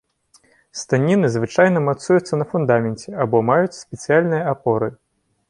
Станіны звычайна мацуюцца на фундаменце або маюць спецыяльныя апоры.